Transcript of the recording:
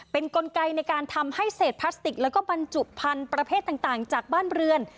เป็นกลไกในการทำให้เศษพลาสติกแล้วก็บรรจุพันธุ์ประเภทต่างจากบ้านเรือน